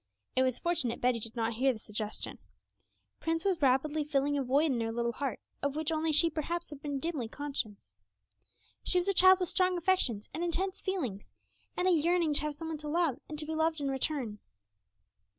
It was fortunate Betty did not hear this suggestion. Prince was rapidly filling a void in her little heart of which only she perhaps had been dimly conscious. She was a child with strong affections and intense feelings, and a yearning to have some one to love, and to be loved in return.